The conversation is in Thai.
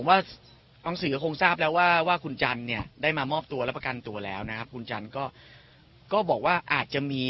ว่าน้องสื่อก็คงทราบแล้วว่าคุณจันเนี่ยได้มามอบตัวและประกันตัวแล้วนะครับคุณจันทร์ก็บอกว่าอาจจะมี